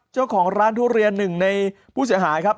เจ้าของร้านทุเรียนหนึ่งในผู้เสียหายครับ